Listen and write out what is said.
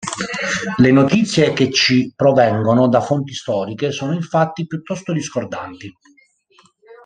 Le notizie che ci provengono da fonti storiche sono infatti piuttosto discordanti.